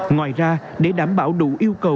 ngoài ra để đảm bảo đủ yêu cầu